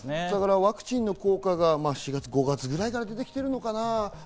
ワクチンの効果が４月、５月ぐらいから出てきてるのかな。